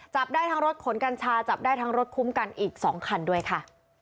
จับได้ทั้งรถขนกัญชาจับได้ทั้งรถคุ้มกันอีก๒คันด้วยค่ะ